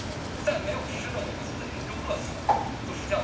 可通过候车室转乘反方向列车。